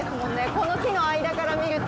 この木の間から見ると。